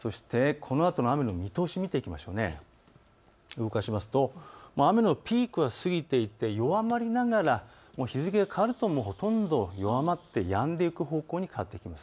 動かしますと雨のピークは過ぎていて弱まりながら、日付が変わるとほとんど弱まってやんでいく方向に変わってきます。